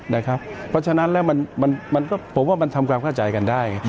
เพราะฉะนั้นแล้วผมว่ามันทำความเข้าใจกันได้